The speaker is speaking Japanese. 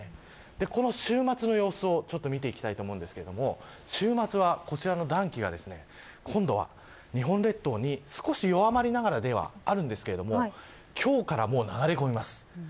この週末の予想を見ていきたいと思うのですが週末は、こちらの暖気が今度は日本列島に少し弱まりながらではありますが今日から、もう流れ込みます。